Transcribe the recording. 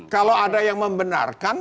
kalau ada yang membenarkan